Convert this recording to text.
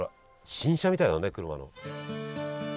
新車みたいだね車の。